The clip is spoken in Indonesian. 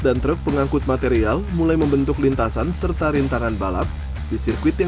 dan truk pengangkut material mulai membentuk lintasan serta rintangan balap di sirkuit yang